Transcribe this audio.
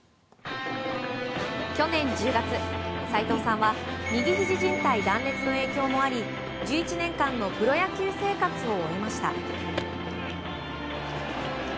去年１０月、斎藤さんは右ひじ靱帯断裂の影響もあり１１年間のプロ野球生活を終えました。